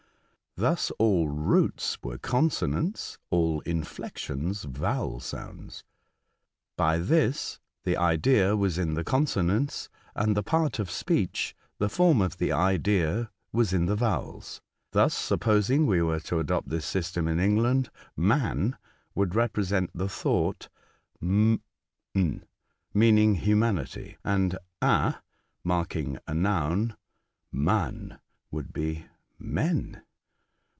Thus all roots were consonants, all inflexions vowel sounds. By this the idea was in the consonants, and the part of speech, the form of tlie idea, was in the vowels. Thus, sup posing we were to adopt this system in England, man would represent the thought man, m..7^ meaning humanity, and a marking a noun Man would be " men."